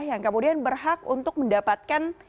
yang kemudian berhak untuk mendapatkan